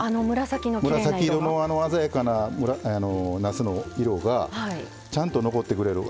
紫色のあの鮮やかななすの色がちゃんと残ってくれる。